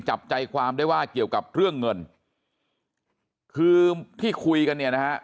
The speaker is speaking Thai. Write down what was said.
จับใจความได้ว่าเกี่ยวกับเรื่องเงินคือที่คุยกันเนี่ยนะฮะ